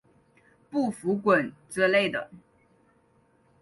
不服滚之类的